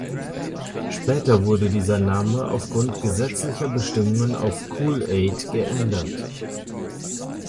Später wurde dieser Name aufgrund gesetzlicher Bestimmungen auf "Kool-Aid" geändert.